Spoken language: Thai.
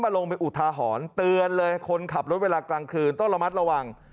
ลงไปอุทาหรณ์เตือนเลยคนขับรถเวลากลางคืนต้องระมัดระวัง